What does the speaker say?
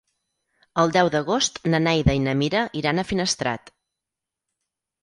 El deu d'agost na Neida i na Mira iran a Finestrat.